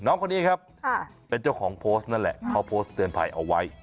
น้องคนนี้ครับเป็นเจ้าของโพสต์นั่นแหละเขาโพสต์เตือนภัยเอาไว้